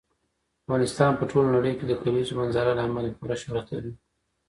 افغانستان په ټوله نړۍ کې د کلیزو منظره له امله پوره شهرت لري.